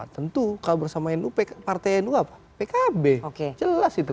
tentu kalau bersama nu partai nu apa pkb jelas itu